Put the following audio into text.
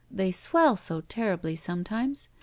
They swell so terribly sometimes.